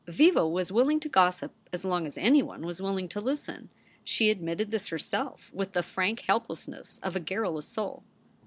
Viva was willing to gossip as long as anyone was willing to listen. She admitted this herself with the frank helpless ness of a garrulous soul.